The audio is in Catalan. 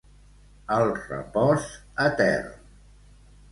El repòs etern.